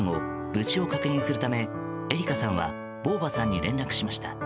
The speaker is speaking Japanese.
無事を確認するためえりかさんはヴォ―ヴァさんに連絡しました。